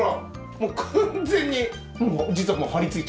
もう完全に。